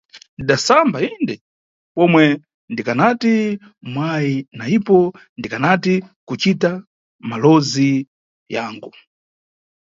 Ndidasamba, inde, pomwe ndikanati mwayi na ipo ndikanati kucita malowozi yangu.